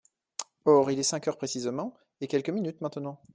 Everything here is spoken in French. Or, il est cinq heures précisément, et quelques minutes maintenant.